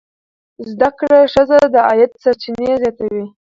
زده کړه ښځه د عاید سرچینې زیاتوي.